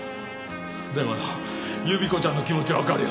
でもよ由美子ちゃんの気持ちはわかるよ。